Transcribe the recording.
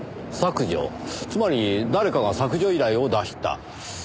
つまり誰かが削除依頼を出した。